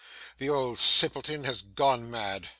The old simpleton has gone mad.